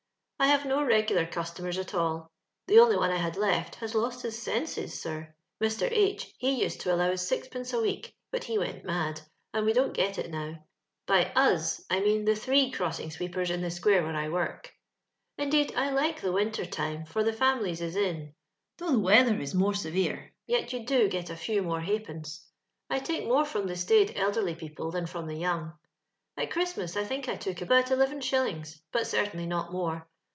I have no regular customers at all ; the only one I liad left has lost his senses, sir. Mr. H , he used to allow us sixpence a week ; but he went mad, and we don't got it now. Hy us, I mean the throe crossing sweepers in the square where I work. ••* Indeed, I like the wintertime, for the families is in. Though the weather is more severe, yet you do get a few more ha'pence. I take more from the staid elderly people than from the young. At Christmas, I think I took about eleven shillinp^s, but certainly not more.